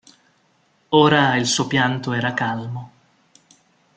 Ora il suo pianto era calmo.